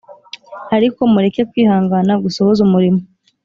Ariko mureke kwihangana gusohoze umurimo